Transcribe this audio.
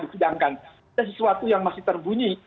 disidangkan ada sesuatu yang masih terbunyi